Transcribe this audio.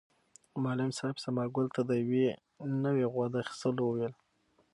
معلم صاحب ثمر ګل ته د یوې نوې غوا د اخیستلو وویل.